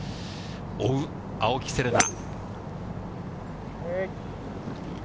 追う青木瀬令奈。